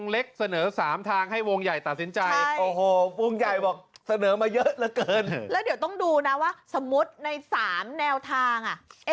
แล้วก็ต้องดูนะว่าสมมุติในสามแนวทาง